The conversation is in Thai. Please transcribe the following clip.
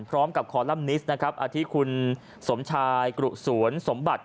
พร้อมกับคอลัมนิสอาทิคุณสมชายกรุศวนสมบัติ